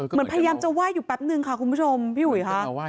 เหมือนพยายามจะว่ายอยู่แป๊บหนึ่งค่ะคุณผู้ชมพี่หุ่ยค่ะ